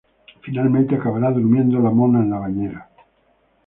Finalmente, acabará durmiendo la mona en la bañera.